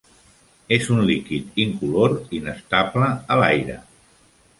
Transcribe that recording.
És un líquid incolor inestable a l'aire.